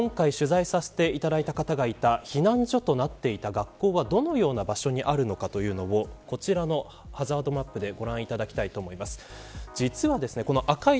今回取材させていただいた方がいた避難所となっていた学校はどのような場所にあるのかというのをこちらのハザードマップでご覧いただきたいと思います。